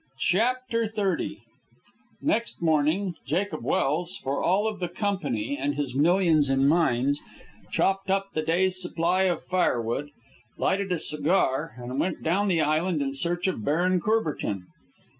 CHAPTER XXX Next morning, Jacob Welse, for all of the Company and his millions in mines, chopped up the day's supply of firewood, lighted a cigar, and went down the island in search of Baron Courbertin.